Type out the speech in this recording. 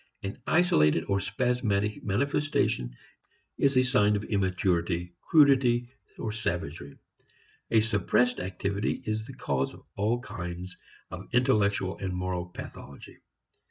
An isolated or spasmodic manifestation is a sign of immaturity, crudity, savagery; a suppressed activity is the cause of all kinds of intellectual and moral pathology.